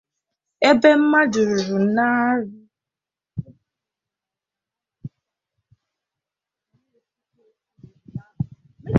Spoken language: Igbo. ebe mmadụ ruru narị anọ na asaa ka na-efukwa efu n'obodo ahụ